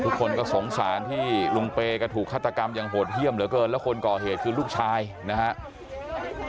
ทุกคนก็สงสารที่ลุงเปย์ก็ถูกฆาตกรรมอย่างโหดเยี่ยมเหลือเกินแล้วคนก่อเหตุคือลูกชายนะครับ